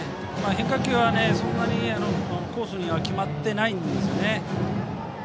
変化球は、そんなにコースには決まってないんですよね。